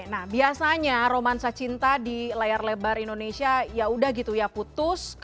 nah biasanya romansa cinta di layar lebar indonesia ya udah gitu ya putus